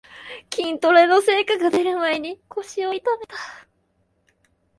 筋トレの成果がでる前に腰を痛めた